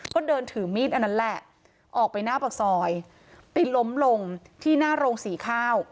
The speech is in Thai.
ก็เดินถือมีดอันนั้นแหละออกไปหน้าปากซอยไปล้มลงที่หน้าโรงสีข้าว